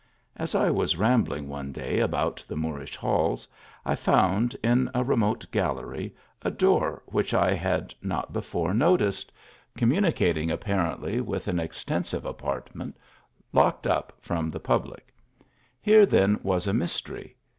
As I was rambling one day about the Moorish halls, I found, in a remote gallery, a door which I had not before noticed, communicating apparently with 60 THE ALHAMLKA. an extensive apartment, locked up from the public. Here then was a mystery.